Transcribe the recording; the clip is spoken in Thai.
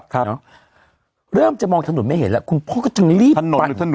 ครับเริ่มจะมองถนนไม่เห็นแล้วคุณพ่อก็จังรีบนำหนดหรือถนน